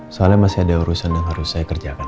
soalnya masih ada urusan yang harus saya kerjakan